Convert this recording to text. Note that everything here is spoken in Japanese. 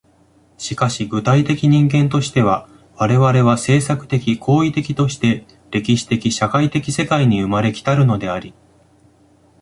しかし具体的人間としては、我々は制作的・行為的として歴史的・社会的世界に生まれ来たるのであり、